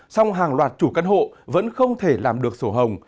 song hàng loạt chủ căn hộ vẫn không thể làm được sổ hồng